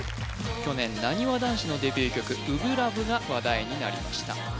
去年なにわ男子のデビュー曲「初心ＬＯＶＥ」が話題になりました